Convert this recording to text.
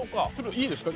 いいですか？